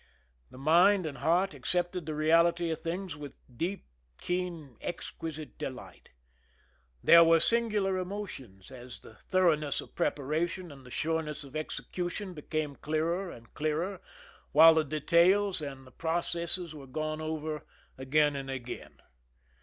The mind and heart accepted the reality of things with deep, keen, exquisite delight. There were singular emotions, as the thoroughness of preparation and the sureness of execution became clearer and clearer, while the details and the processes were gone over again and again.